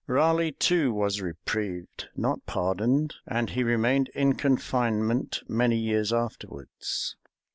[] Raleigh too was reprieved, not pardoned; and he remained in confinement many years afterwards.